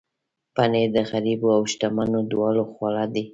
پنېر د غریبو او شتمنو دواړو خواړه دي.